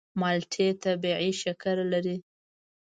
مالټې طبیعي شکر لري.